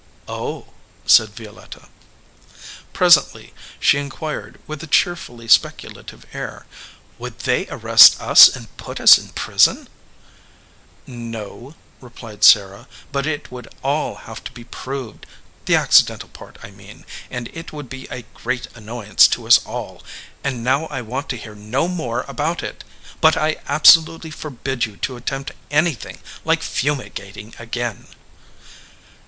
"Oh," said Violetta. Presently she inquired, with a cheerfully specu lative air, "Would they arrest us and put us in prison ?" "No," replied Sarah, "but it would all have to be 44 THE OLD MAN OF THE FIELD proved, the accidental part, I mean, and it would be a great annoyance to us all; and now I want to hear no more about it. But I absolutely forbid you to attempt anything like fumigating again."